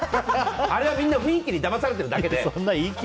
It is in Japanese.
あれは、みんな雰囲気にだまされてるだけで。